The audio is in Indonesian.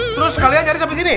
terus kalian nyari sampai sini